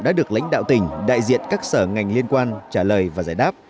đã được lãnh đạo tỉnh đại diện các sở ngành liên quan trả lời và giải đáp